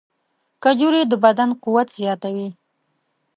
کجورې د بدن قوت زیاتوي.